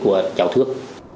của cháu thước